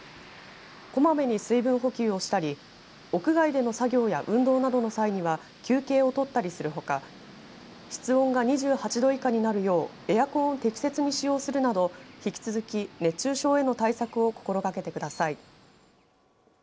こまめに水分補給をしたり屋外での作業や運動などの際には休憩を取ったりするほか室温が２８度以下になるようエアコンを適切に使用するなど引き続き熱中症への対策を心がけてください。